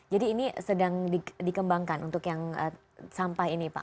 jadi ini sedang dikembangkan untuk yang sampah ini pak